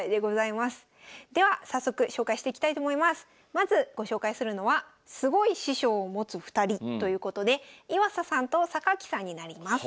まずご紹介するのはすごい師匠を持つ２人ということで岩佐さんと榊さんになります。